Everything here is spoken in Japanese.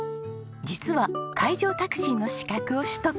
実は海上タクシーの資格を取得したんです。